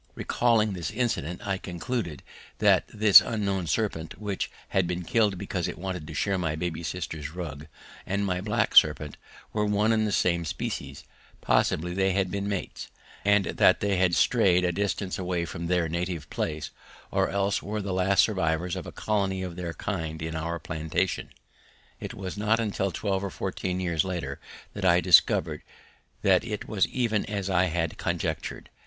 Recalling this incident I concluded that this unknown serpent, which had been killed because it wanted to share my baby sister's rug, and my black serpent were one and the same species possibly they had been mates and that they had strayed a distance away from their native place or else were the last survivors of a colony of their kind in our plantation. It was not until twelve or fourteen years later that I discovered that it was even as I had conjectured.